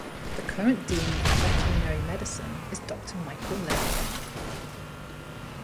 The current Dean of Veterinary Medicine is Doctor Michael Lairmore.